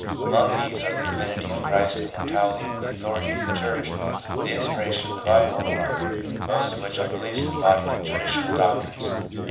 Among these are the divinity of Christ, Immortality, the authority of the Church, the inspiration of the Bible, and the like, most of which are beliefs embodied in traditional doc trines.